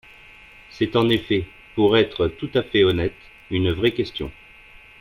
C’est en effet, pour être tout à fait honnête, une vraie question.